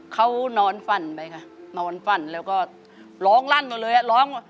เขานอนฝั่นไปค่ะนอนฝั่นแล้วก็ร้องลั่นมาเลยร้อง